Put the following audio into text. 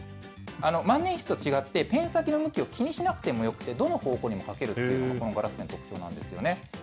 万年筆と違って、ペン先の向きを気にしなくてもよくて、どの方向にも書けるというのもこのガラスペンの特徴なんですよね。